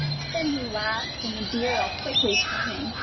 Then he laughed, and the deer, all quickly turning.